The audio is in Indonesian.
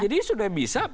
jadi sudah bisa